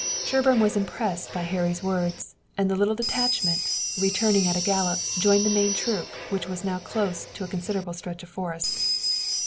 Sherburne was impressed by Harry's words, and the little detachment, returning at a gallop, joined the main troop, which was now close to a considerable stretch of forest.